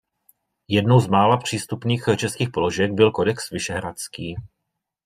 Jednou z mála přístupných českých položek byl Kodex Vyšehradský.